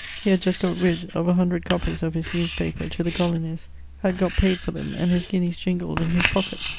He had just got rid of 100 copies of his newspaper to the colonies, had got paid for them, and his guineas jingled in his pocket.